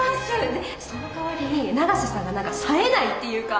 でそのかわりに永瀬さんが何か冴えないっていうか。